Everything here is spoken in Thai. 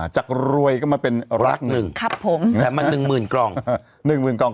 จากรวยก็มาเป็นรักหนึ่งครับผมแต่มันหนึ่งหมื่นกล่องหนึ่งหมื่นกล่อง